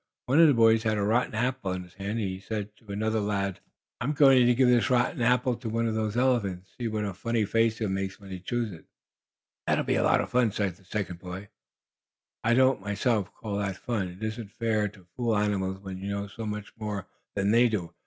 One of the boys had a rotten apple in his hand and he said to another lad: "I'm going to give this rotten apple to one of the elephants and see what a funny face he makes when he chews it!" "That'll be lots of fun," said the second boy. I don't, myself, call that fun. It isn't fair to fool animals when you know so much more than they do.